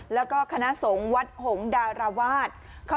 แล้วก็คณะสงฆ์วัดหงดาราวาส